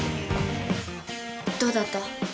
どうだった？